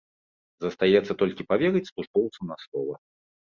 Застаецца толькі паверыць службоўцам на слова.